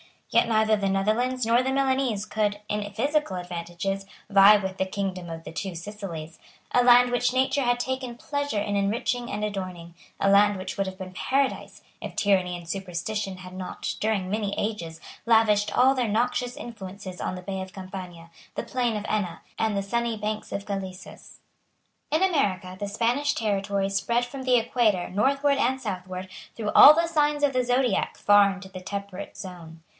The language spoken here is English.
Yet neither the Netherlands nor the Milanese could, in physical advantages, vie with the kingdom of the Two Sicilies, a land which nature had taken pleasure in enriching and adorning, a land which would have been paradise, if tyranny and superstition had not, during many ages, lavished all their noxious influences on the bay of Campania, the plain of Enna, and the sunny banks of Galesus. In America the Spanish territories spread from the Equator northward and southward through all the signs of the Zodiac far into the temperate zone.